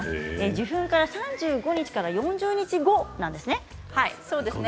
受粉から３５から４０日後なんですね。